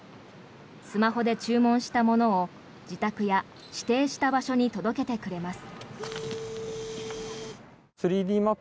スマホで注文したものを自宅や指定した場所に届けてくれます。